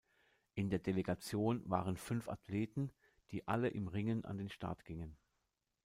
In der Delegation waren fünf Athleten, die alle im Ringen an den Start gingen.